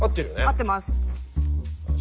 合ってます。